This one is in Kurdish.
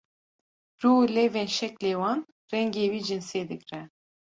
rû û lêvên şeklê wan rengê wî cinsê digre